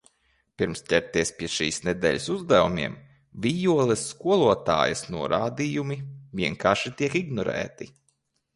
Pirms ķerties pie šīs nedēļas uzdevumiem... Vijoles skolotājas norādījumi vienkārši tiek ignorēti...